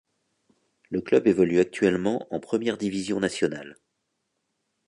Le club évolue actuellement en première division nationale.